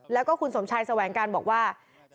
แล้วก็คุณสมชายแสวงการบอกว่า